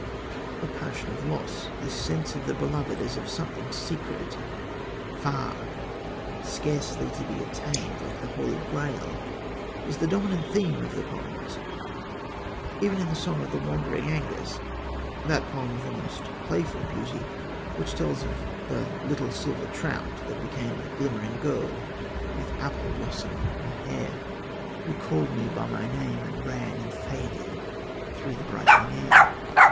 This passion of loss, this sense of the beloved as of something secret and far and scarcely to be attained, like the Holy Grail, is the dominant theme of the poems, even in The Song of Wandering Aengus, that poem of almost playful beauty, which tells of the "little silver trout" that became a glimmering girl With apple blossom in her hair, Who called me by my name and ran And faded through the brightening air.